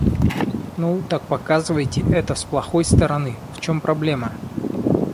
Ну так показывайте это с плохой стороны, в чём проблема?